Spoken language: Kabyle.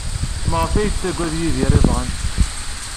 Maɣef ay yettaggad Yidir iḍan?